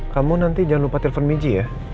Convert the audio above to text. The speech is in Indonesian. kamu nanti jangan lupa telfon michi ya